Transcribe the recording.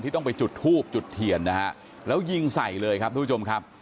ต้องไปจุดทูบจุดเทียนนะฮะแล้วยิงใส่เลยครับทุกผู้ชมครับ